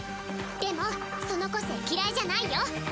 でもその個性嫌いじゃないよ。